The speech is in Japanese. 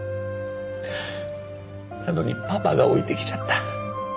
なのにパパが置いてきちゃった。